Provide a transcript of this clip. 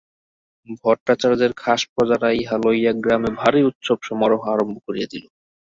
ভট্টাচার্যের খাস প্রজারা ইহা লইয়া গ্রামে ভারি উৎসবসমারোহ আরম্ভ করিয়া দিল।